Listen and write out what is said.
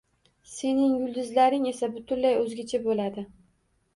Sening yulduzlaring esa butunlay o‘zgacha bo‘ladi...